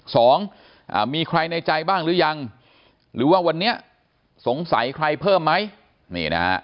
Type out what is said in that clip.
สองอ่ามีใครในใจบ้างหรือยังหรือว่าวันนี้สงสัยใครเพิ่มไหมนี่นะฮะ